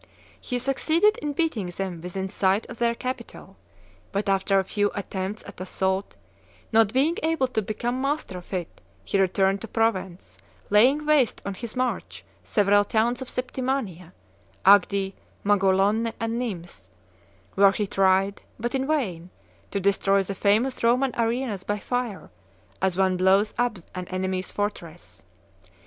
He succeeded in beating them within sight of their capital; but, after a few attempts at assault, not being able to become master of it, he returned to Provence, laying waste on his march several towns of Septimania, Agde, Maguelonne, and Nimes, where he tried, but in vain, to destroy the famous Roman arenas by fire, as one blows up an enemy's fortress.